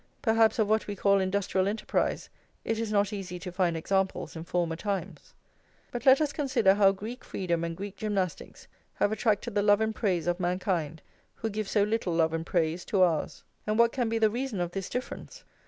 Perhaps of what we call industrial enterprise it is not easy to find examples in former times; but let us consider how Greek freedom and Greek gymnastics have attracted the love and praise of mankind, who give so little love and praise to ours. And what can be the reason of this difference?